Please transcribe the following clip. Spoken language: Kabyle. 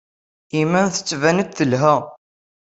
Yemma-m tettban-d telha.